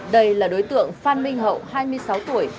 đây là đối tượng phan minh hậu hai mươi sáu tuổi